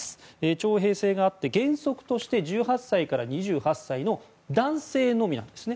徴兵制があって原則として１８歳から２８歳の男性のみなんですね。